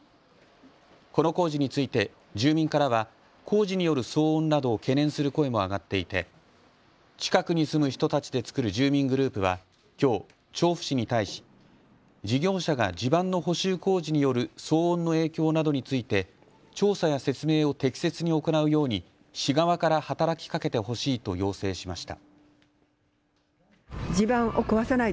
この工事について住民からは工事による騒音などを懸念する声も上がっていて近くに住む人たちで作る住民グループはきょう調布市に対し事業者が地盤の補修工事による騒音の影響などについて調査や説明を適切に行うように市側から働きかけてほしいと要請しました。